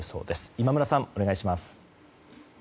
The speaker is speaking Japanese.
今村さん、お願いします。